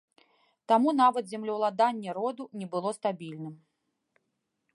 Таму нават землеўладанне роду не было стабільным.